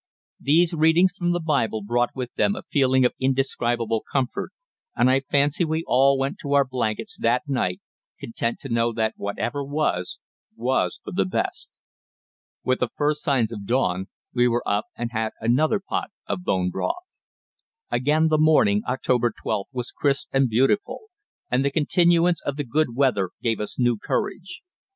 These readings from the Bible brought with them a feeling of indescribable comfort, and I fancy we all went to our blankets that night content to know that whatever was, was for the best. With the first signs of dawn we were up and had another pot of bone broth. Again the morning (October 12th) was crisp and beautiful, and the continuance of the good weather gave us new courage.